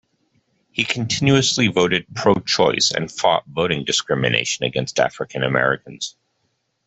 He continuously voted pro-choice and fought voting discrimination against African Americans.